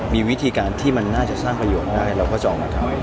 มีวิธีการที่มันน่าจะสร้างประโยชน์ได้เราก็จะออกมาทำ